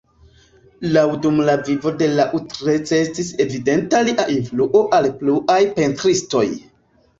Jam dum la vivo de Lautrec estis evidenta lia influo al pluaj pentristoj.